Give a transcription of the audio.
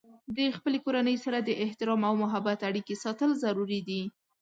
د خپلې کورنۍ سره د احترام او محبت اړیکې ساتل ضروري دي.